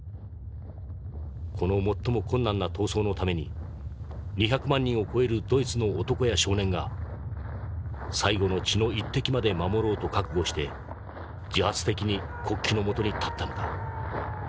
この最も困難な闘争のために２００万人を超えるドイツの男や少年が最後の血の一滴まで守ろうと覚悟して自発的に国旗の下に立ったのだ。